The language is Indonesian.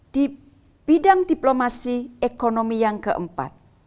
di bidang diplomasi ekonomi yang keempat